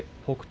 北勝